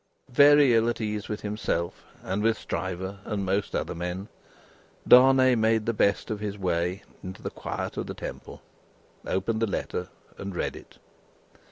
Very ill at ease with himself, and with Stryver and most other men, Darnay made the best of his way into the quiet of the Temple, opened the letter, and read it.